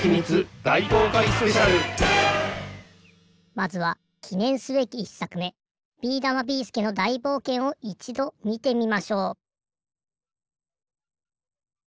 まずはきねんすべき１さくめ「ビーだま・ビーすけの大冒険」をいちどみてみましょう。